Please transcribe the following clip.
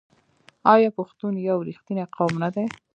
آیا پښتون یو رښتینی قوم نه دی؟